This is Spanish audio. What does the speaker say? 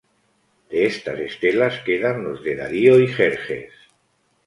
De estas estelas, quedan las de Darío y Jerjes.